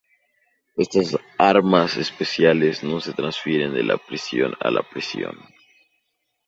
Estas armas especiales no se transfieren de la prisión a la prisión.